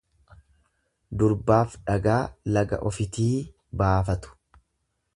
Durbaaf dhagaa laga ofitii baafatu.